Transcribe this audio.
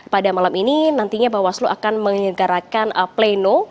pada malam ini nantinya bawaslu akan menyegarkan pleno